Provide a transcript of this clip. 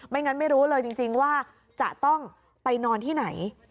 งั้นไม่รู้เลยจริงว่าจะต้องไปนอนที่ไหน